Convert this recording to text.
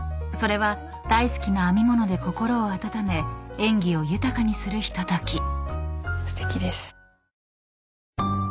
［それは大好きな編み物で心を温め演技を豊かにするひととき］